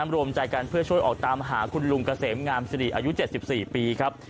รวมใจกันเพื่อช่วยออกตามหาคุณลุงเกษมงามสิริอายุ๗๔ปีครับ